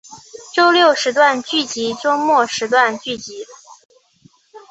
周六时段剧集周末时段剧集